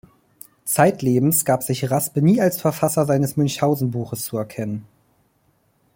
Zeitlebens gab sich Raspe nie als Verfasser seines Münchhausen-Buches zu erkennen.